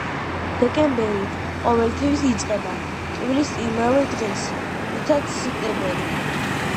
დეკემბერი ყოველთვის იწყება კვირის იმავე დღეს, რითაც სექტემბერი.